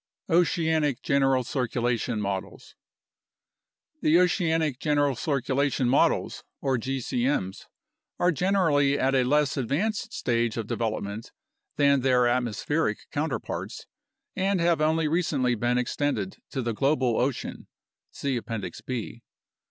Oceanic General Circulation Models The oceanic general circulation models (or gcm's) are generally at a less advanced stage of develop ment than their atmospheric counterparts and have only recently been extended to the global ocean (see Appendix B).